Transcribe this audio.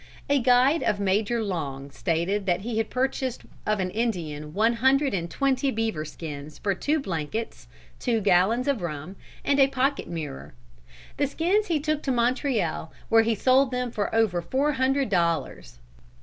A guide of Major Long stated that he purchased of an Indian one hundred and twenty beaver skins for two blankets, two gallons of rum, and a pocket mirror. The skins he took to Montreal, where he sold them for over four hundred dollars.